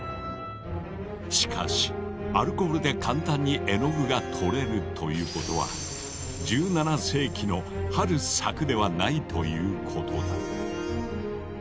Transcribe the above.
しかしアルコールで簡単に絵の具が取れるということは１７世紀のハルス作ではないということだ。